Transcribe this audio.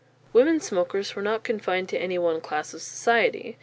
Women smokers were not confined to any one class of society.